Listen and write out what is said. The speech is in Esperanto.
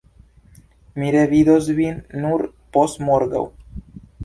Mi revidos vin nur postmorgaŭ.